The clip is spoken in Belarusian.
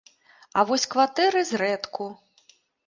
А вось кватэры зрэдку.